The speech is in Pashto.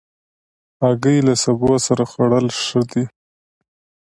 هګۍ له سبو سره خوړل ښه دي.